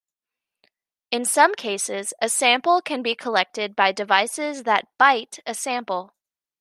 In some cases, a sample can be collected by devices that "bite" a sample.